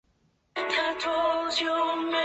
阿尔塔尼昂人口变化图示